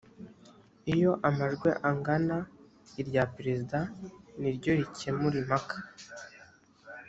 iyo amajwi angana irya perezida ni ryo rikemura impaka